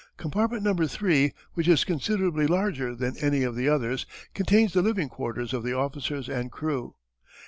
Compartment No. 3, which is considerably larger than any of the others, contains the living quarters of the officers and crew.